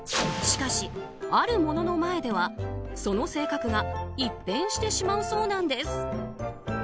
しかし、あるものの前ではその性格が一変してしまうそうなんです。